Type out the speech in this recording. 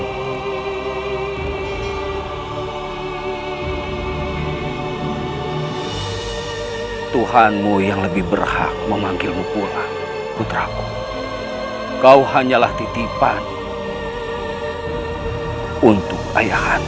hai tuhanmu yang lebih berhak memanggilmu pulang putraku kau hanyalah titipan untuk ayah anda